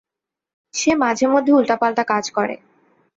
সে মাঝেমধ্যে উল্টাপাল্টা কাজ করে।